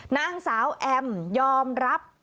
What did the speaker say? นางสาวแอมยอมรับ